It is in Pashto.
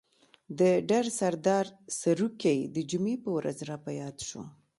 د ډر سردار سروکی د جمعې په ورځ را په ياد شو.